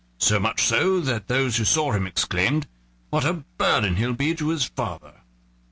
So much so that those who saw him exclaimed: "What a burden he'll be to his father!"